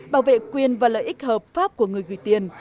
bảo vệ quyền và lợi ích hợp pháp của người gửi tiền